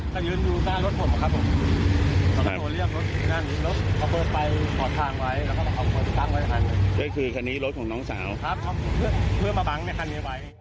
เพื่อมาบั้งการนี้ไว้